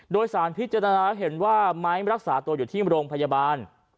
โดยสารพิจารณาเห็นว่าไม้รักษาตัวอยู่ที่โรงพยาบาล